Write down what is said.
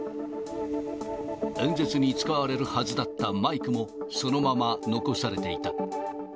演説に使われるはずだったマイクも、そのまま残されていた。